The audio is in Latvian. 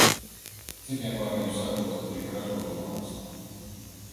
Citiem vārdiem sakot, tiek ražota māksla.